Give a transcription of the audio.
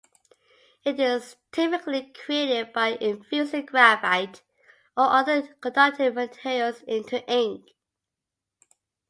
It is typically created by infusing graphite or other conductive materials into ink.